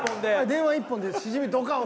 電話１本でシジミドカン！